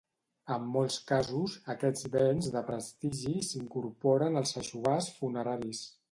En molts casos, aquests béns de prestigi s'incorporen als aixovars funeraris.